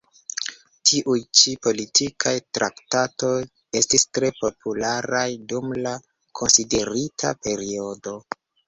Tiuj ĉi politikaj traktatoj estis tre popularaj dum la konsiderita periodo.